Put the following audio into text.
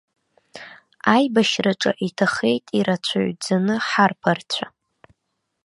Аибашьраҿы иҭахеит ирацәаҩӡаны ҳарԥарцәа.